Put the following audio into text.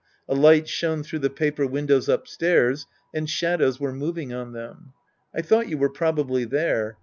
A light shone through the paper windows up stairs, and shadows were moving on them. I thought you were probably there.